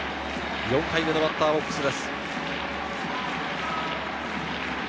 ４回目のバッターボックスです。